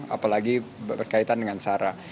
apalagi berkaitan dengan sarah